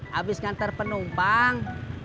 habis ngantar penumpang